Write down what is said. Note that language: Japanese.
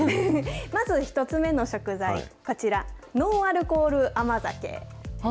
まず１つ目の食材、こちら、ノンアルコール甘酒。